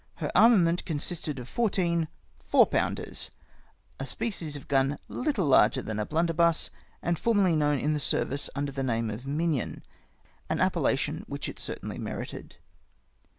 Her armament consisted of fourteen 4: pounders! a spec^ies of gun httle larger than a blunderbuss, and formerly known in the service under the name of " million," an appellation which it certainly merited.